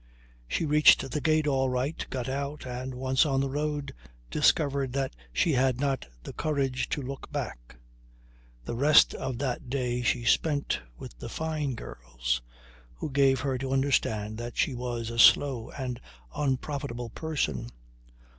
She reached the gate all right, got out, and, once on the road, discovered that she had not the courage to look back. The rest of that day she spent with the Fyne girls who gave her to understand that she was a slow and unprofitable person.